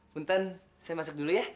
buntan saya masuk dulu ya